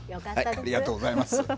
ありがとうございます。